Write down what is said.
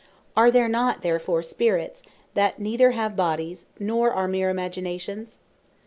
Are there not therefore Spirits, that neither have Bodies, nor are meer Imaginations?